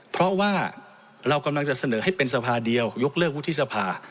เพราะว่าเรากำลังจะเสนอให้เป็นสภาเดียวยกเลิกวุฒิสภา